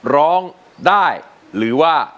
ร้องได้หรือว่า